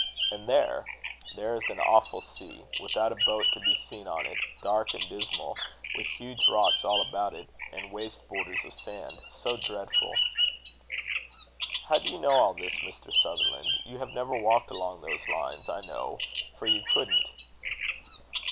And there, there is an awful sea, without a boat to be seen on it, dark and dismal, with huge rocks all about it, and waste borders of sand so dreadful!" "How do you know all this, Mr. Sutherland? You have never walked along those lines, I know, for you couldn't."